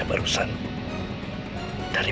biar udah satu